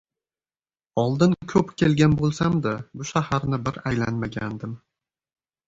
Oldin koʻp kelgan boʻlsamda, bu shaharni bir aylanmagandim.